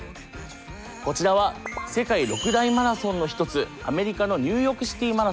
こちらは世界６大マラソンの一つアメリカのニューヨークシティーマラソン。